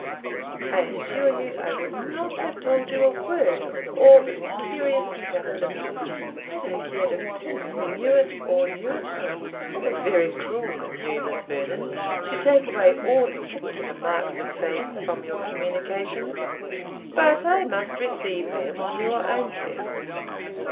I assure you I would not have told you a word of all this curious intelligence, had I cared a pin who knew it or knew it not." "It is very cruel in you, Miss Vernon, to take away all particular marks of favour from your communications, but I must receive them on your own terms.